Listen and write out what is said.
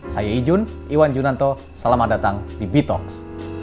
saya ijun iwan junanto selamat datang di b tax